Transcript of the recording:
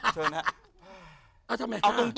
อะเชิญนะ